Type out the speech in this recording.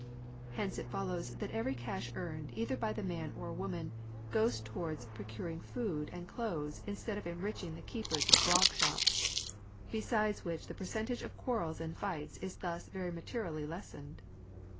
Hence it follows that every cash earned either by the man or woman goes towards procuring food and clothes instead of enriching the keepers of grog shops : besides which the percentage of quarrels and fights is thus very materially lessened.